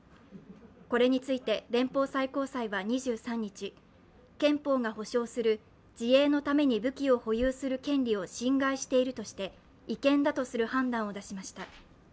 これについて連邦最高裁は２３日憲法が保障する自衛のために武器を保有する権利を侵害しているとして違憲だとする判断を出しました。